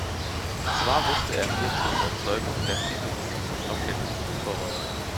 Zwar wusste er hier zu überzeugen und erzielte bis zum Saisonende sieben Tore.